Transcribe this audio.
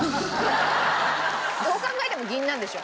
どう考えても銀杏でしょ。